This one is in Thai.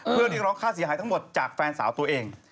เพื่อเรียกร้องค่าเสียหายทั้งหมดจากแฟนสาวตัวเอง